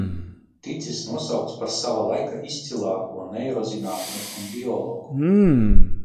Ticis nosaukts par sava laika izcilāko neirozinātnieku un biologu.